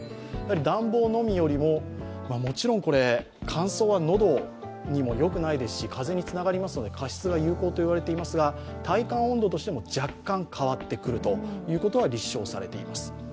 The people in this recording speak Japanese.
暖房のみよりも、もちろんこれ、乾燥は喉にもよくないですし風邪につながりますので加湿が有効と言われていますが体感温度も若干違ってくることが立証されています。